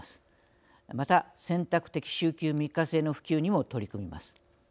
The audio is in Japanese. また選択的週休３日制の普及にも取り組みます。